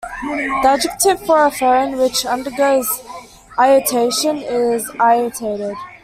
The adjective for a phone which undergoes iotation is "iotated".